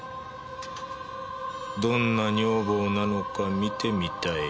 どんな女房なのか見てみたい。